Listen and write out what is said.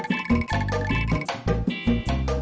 tes serena belum sampai